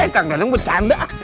kang dadang becanda